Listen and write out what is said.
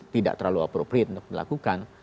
tidak terlalu appropriate untuk dilakukan